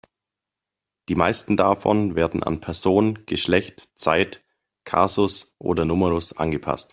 Die meisten davon werden an Person, Geschlecht, Zeit, Kasus oder Numerus angepasst.